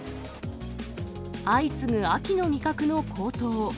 相次ぐ秋の味覚の高騰。